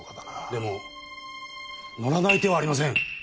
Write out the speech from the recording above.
でも乗らない手はありません。